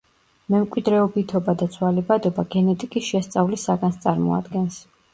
მემკვიდრეობითობა და ცვალებადობა გენეტიკის შესწავლის საგანს წარმოადგენს.